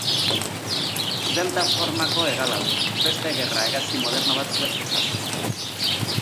Delta-formako hegala du, beste gerra-hegazkin moderno batzuek bezala.